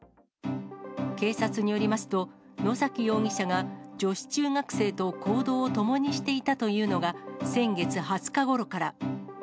警察によりますと、野崎容疑者が女子中学生と行動を共にしていたというのが先月２０日ごろから。